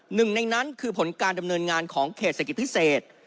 หนึ่งในนั้นคือผลการดำเนินงานของเขตเศรษฐกิจพิเศษ